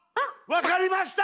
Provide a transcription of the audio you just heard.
分かりました！